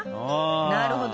なるほど。